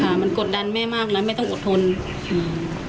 ค่ะมันกดดันแม่มากนะแม่ต้องอดทนอืม